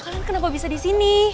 alan kenapa bisa di sini